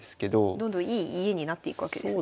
どんどんいい家になっていくわけですね。